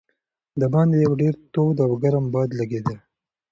د باندې یو ډېر تود او ګرم باد لګېده.